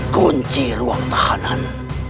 kunci ruang tahanan